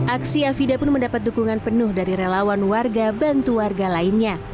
aksi afida pun mendapat dukungan penuh dari relawan warga bantu warga lainnya